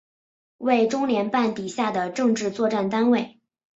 为中联办底下的政治作战单位。